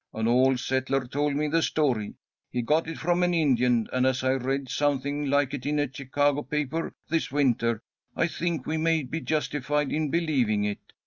An old settler told me the story. He got it from an Indian, and, as I read something like it in a Chicago paper this winter, I think we may be justified in believing it.